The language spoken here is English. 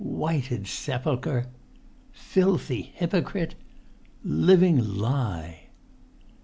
Whited sepulchre ... filthy hypocrite ... living lie!"